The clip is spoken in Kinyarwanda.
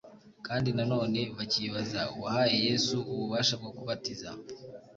kandi na none bakibaza uwahaye Yesu ububasha bwo kubatiza.